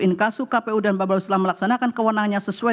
inkasu kpu dan bawaslu melaksanakan kewenangannya sesuai